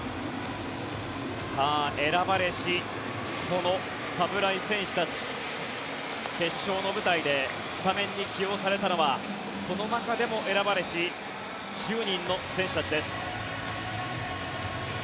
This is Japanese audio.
選ばれしこの侍戦士たち決勝の舞台でスタメンに起用されたのはその中でも選ばれし１０人の選手たちです。